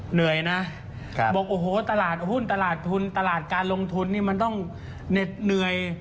เหนื่อยนะบอกโอ้โหตลาดหุ้นตลาดทุนตลาดการลงทุนนี่มันต้องเหน็ดเหนื่อย